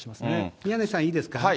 宮根さん、いいですか。